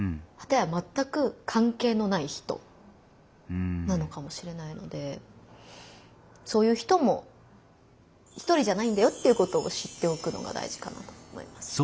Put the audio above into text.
かたやまったく関係のない人なのかもしれないのでそういう人も一人じゃないんだよっていうことを知っておくのが大事かなと思います。